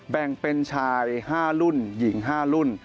แบ่งเป็นชาย๕รุ่นหญิง๕รุ่น